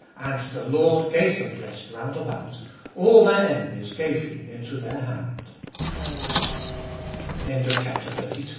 "And the Lord gave them rest round about, all their enemies gave He into their hand, " t)olfest of ail